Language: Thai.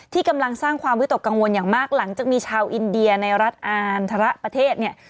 ที่กำลังสร้างความวิตกกังวลอย่างมากหลังจากมีชาวอินเดียในรัฐอานทรประเทศเนี่ย